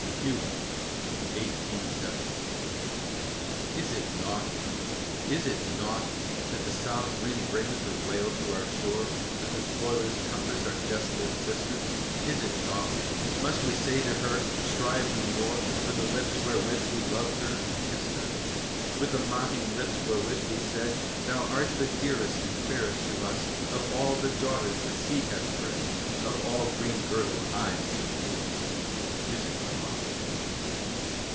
CUBA Is it naught? Is it naught That the South wind brings her wail to our shore, That the spoilers compass our desolate sister? Is it naught? Must we say to her, "Strive no more," With the lips wherewith we loved her and kissed her? With the mocking lips wherewith we said, "Thou art the dearest and fairest to us Of all the daughters the sea hath bred, Of all green girdled isles that woo us!" Is it naught?